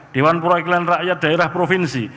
dewan perwakilan rakyat daerah provinsi